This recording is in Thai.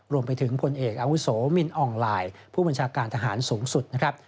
รวมไปถึงพลเอกอาวุโสมินอ่องลายผู้บัญชาการทหารสูงสุดนะครับ